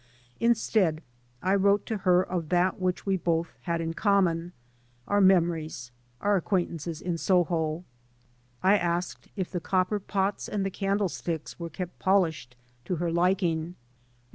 Instead I wrote to her of that which we both had in common — our memories, our acquaintances in Soho. I asked if the copper pots and the candle sticks were kept polished to her liking. We wrote [1S»] D.D.